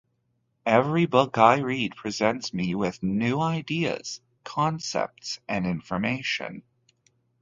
Every book I read presents me with new ideas, concepts, and information.